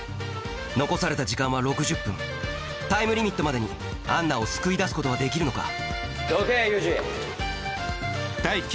残された時間は６０分タイムリミットまでにアンナを救い出すことはできるのかどけユージ。